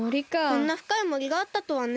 こんなふかいもりがあったとはね。